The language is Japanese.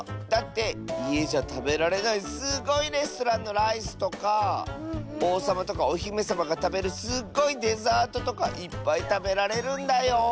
だっていえじゃたべられないすっごいレストランのライスとかおうさまとかおひめさまがたべるすっごいデザートとかいっぱいたべられるんだよ。